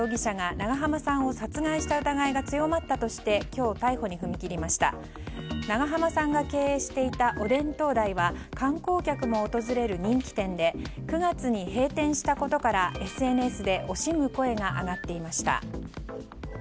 長濱さんが経営していたおでん東大は観光客も訪れる人気店で９月に閉店したことからＳＮＳで惜しむ声が上がっていました。